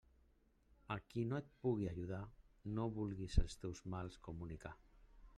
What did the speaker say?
A qui no et pugui ajudar no vulguis els teus mals comunicar.